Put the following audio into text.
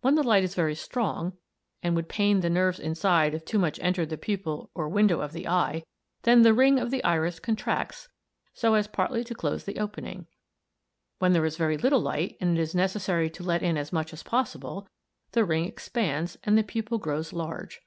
When the light is very strong, and would pain the nerves inside if too much entered the pupil or window of the eye, then the ring of the iris contracts so as partly to close the opening. When there is very little light, and it is necessary to let in as much as possible, the ring expands and the pupil grows large.